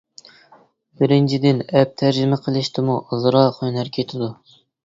بىرىنچىدىن ئەپ تەرجىمە قىلىشتىمۇ ئازراق ھۈنەر كېتىدۇ.